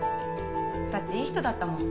だっていい人だったもん。